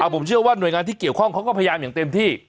ผมเชื่อว่าหน่วยงานที่เกี่ยวข้องเขาก็พยายามอย่างเต็มที่